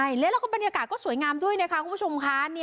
ใช่แล้วแล้วก็บรรยากาศก็สวยงามด้วยนะคะคุณผู้ชมค่ะ